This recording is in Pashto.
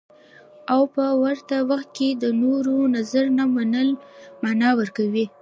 او په ورته وخت کې د نورو نظر نه منل مانا ورکوي.